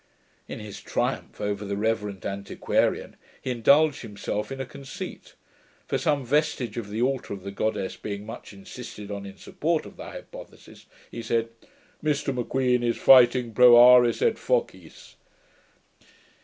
In his triumph over the reverend antiquarian, he indulged himself in a conceit; for, some vestige of the ALTAR of the goddess being much insisted on in support of the hypothesis, he said, 'Mr M'Queen is fighting pro aris et focis.'